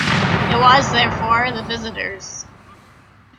It was, therefore, the visitor's.